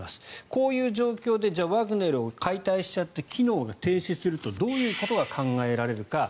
こういう状況でじゃあワグネルを解体しちゃって機能が停止するとどういうことが考えられるか。